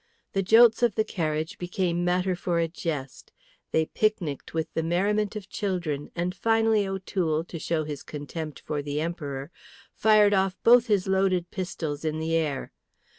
The jolts of the carriage became matter for a jest. They picnicked with the merriment of children, and finally O'Toole, to show his contempt for the Emperor, fired off both his loaded pistols in the air.